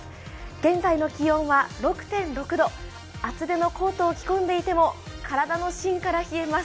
現在の気温は６．６度、厚手のコートを着込んでいても体の芯から冷えます。